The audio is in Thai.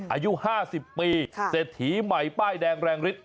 อายุ๕๐ปีเศรษฐีใหม่ป้ายแดงแรงฤทธิ